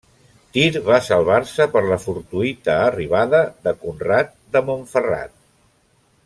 Tir va salvar-se per la fortuïta arribada de Conrad de Montferrat.